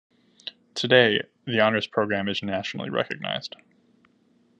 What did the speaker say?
Today, the Honors Program is nationally recognized.